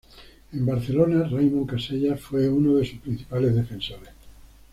En Barcelona, Raimon Casellas fue uno de sus principales defensores.